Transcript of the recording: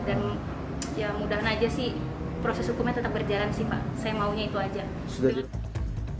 dan ya mudahnya aja sih proses hukumnya tetap berjalan sih pak saya maunya itu aja